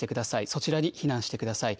そちらに避難してください。